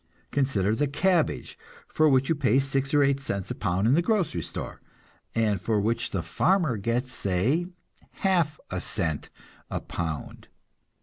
Consider the cabbage, for which you pay six or eight cents a pound in the grocery store, and for which the farmer gets, say, half a cent a pound.